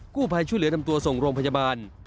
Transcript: ผู้ภัยช่วยเหลือนำตัวส่งโรงพยาบาล